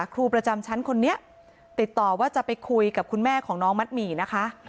ครูประจำชั้นคนนี้ติดต่อว่าจะไปคุยกับคุณแม่ของน้องมัดหมี่นะคะ